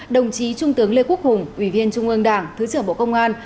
đồng chí trung tướng lê quốc hùng ủy viên trung ương đảng thứ trưởng bộ công an